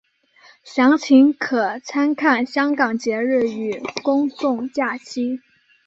详情可参看香港节日与公众假期。